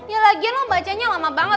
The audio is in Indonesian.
ya lagian lo bacanya lama banget